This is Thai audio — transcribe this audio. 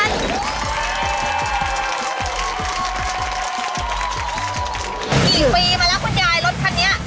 กี่ปีมาแล้วคุณยายรถคันนี้